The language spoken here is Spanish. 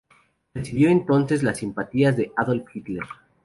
Recibió entonces las simpatías de Adolf Hitler.